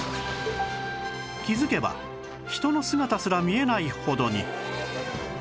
気づけば人の姿すら見えないほどに